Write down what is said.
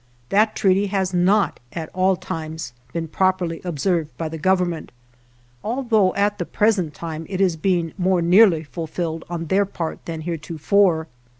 That treaty has not at all times been properly observed by the Gov ernment, although at the present time it is being more nearly fulfilled on their part than heretofore.